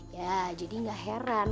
ya jadi enggak heran